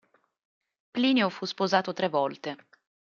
Plinio fu sposato tre volte.